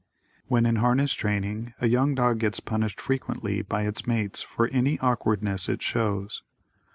When in harness training a young dog gets punished frequently by its mates for any awkwardness it shows.